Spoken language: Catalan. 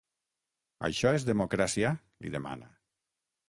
“Això és democràcia?”, li demana.